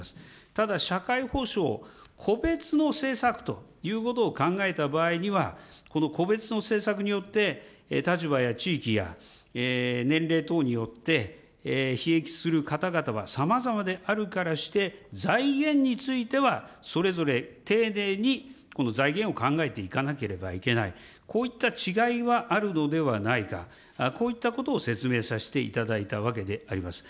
ただ、社会保障、個別の政策ということを考えた場合には、この個別の政策によって立場や地域や年齢等によって、ひ益する方々はさまざまであるからして、財源については、それぞれ丁寧に財源を考えていかなければいけない、こういった違いはあるのではないか、こういったことを説明させていただいたわけであります。